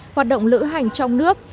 hoạt động lữ hành trong nước